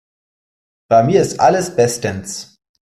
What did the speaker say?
Bei mir ist alles bestens.